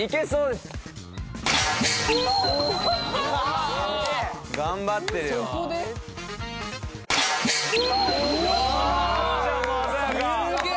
すげえ！